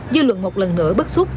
dư luận một lần nữa bất xúc